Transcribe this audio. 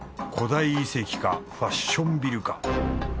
古代遺跡かファッションビルか。